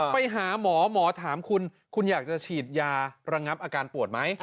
ไปหาหมอหมอถามคุณคุณอยากจะฉีดยาระงับอาการปวดไหม